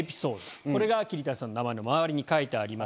これが桐谷さんの名前の周りに書いてあります。